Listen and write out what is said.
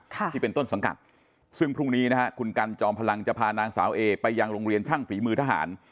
ที่เป็นต้นสังกัดซึ่งพรุ่งนี้นะฮะคุณกันจอมพลังจะพานางสาวเอไปยังโรงเรียนช่างฝีมือทหาร